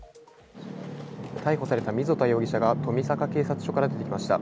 逮捕された溝田容疑者が富坂警察署から出てきました。